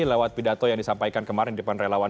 lewat pidato yang disampaikan kemarin di depan relawan